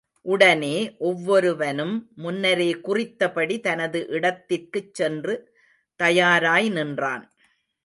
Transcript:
உடனே ஒவ்வொருவனும் முன்னரே குறித்தபடி தனது இடத்திற்குச் சென்று தயாராய் நின்றான்.